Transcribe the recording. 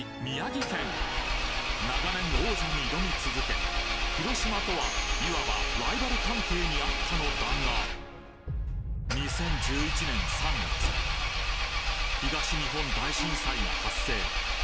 宮城県長年王者に挑み続け広島とは言わばライバル関係にあったのだが東日本大震災が発生